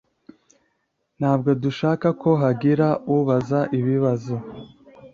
Ntabwo dushaka ko hagira ubaza ibibazo.